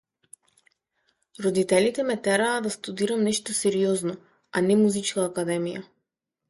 Родителите ме тераа да студирам нешто сериозно, а не музичка академија.